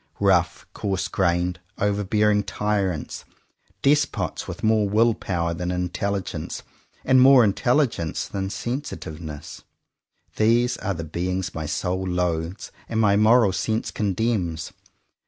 Rough, coarse grained, over bear ing tyrants, despots with more will power than intelligence, and more intelligence than sensitiveness, these are the beings my soul loathes and my moral sense condemns.